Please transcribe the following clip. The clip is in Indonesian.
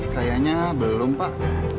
sayangnya belum pak